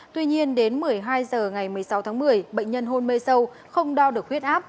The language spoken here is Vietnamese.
tuy nhiên đến một mươi hai h ngày một mươi sáu tháng một mươi bệnh nhân hôn mê sâu không đo được huyết áp